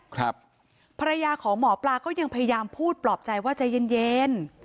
ภรรยาของหมอปลาก็ยังพยายามพูดปลอบใจว่าใจเย็นเย็น